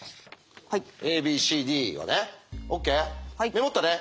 メモったね？